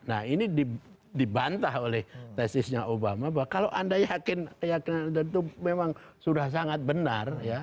nah ini dibantah oleh tesisnya obama bahwa kalau anda yakin keyakinan itu memang sudah sangat benar ya